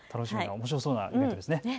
おもしろそうなイベントですね。